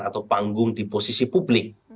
atau panggung di posisi publik